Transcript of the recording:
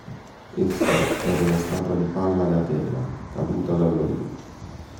Esso era una statua di Pallade Atena, caduta dall'Olimpo.